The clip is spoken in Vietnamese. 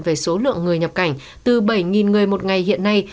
về số lượng người nhập cảnh từ bảy người một ngày